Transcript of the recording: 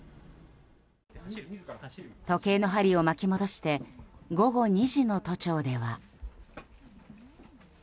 時計の針を巻き戻して午後２時の都庁では。